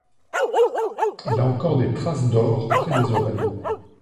Il y a encore des traces d'or près des oreilles.